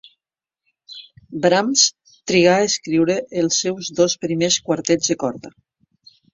Brahms trigà a escriure els seus dos primers quartets de corda.